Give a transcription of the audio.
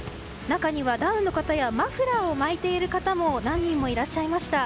中にはダウンの方やマフラーを巻いている方も何人もいらっしゃいました。